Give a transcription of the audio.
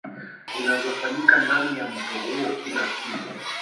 Zinazofanyika ndani ya mto huo kila siku